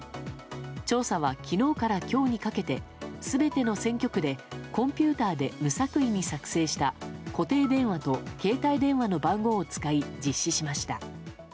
調査は昨日から今日にかけて全ての選挙区でコンピューターで無作為に作成した固定電話と携帯電話の番号を使い実施しました。